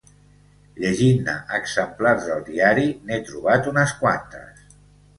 Llegint-ne exemplars del diari n'he trobat unes quantes.